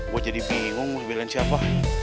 gue jadi bingung mau bilang siapa